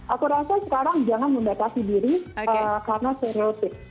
aku rasa sekarang jangan mendatasi diri karena stereotip